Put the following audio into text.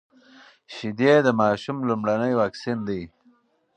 شيدې د ماشوم لومړنی واکسين دی.